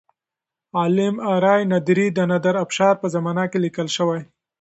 عالم آرای نادري د نادر افشار په زمانه کې لیکل شوی.